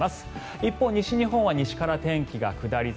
一方、西日本は西から天気が下り坂。